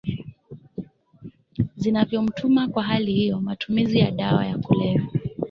zinavyomtuma Kwa hali hiyo matumizi ya madawa ya kulevya